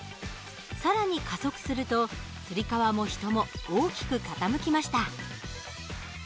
更に加速するとつり革も人も大きく傾きました。